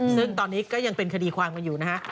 ซึ่งตอนนี้ก็ยังเป็นคดีความกันอยู่นะฮะ